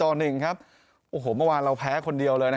โอ้โหน่ะพวกเราแพ้คนดี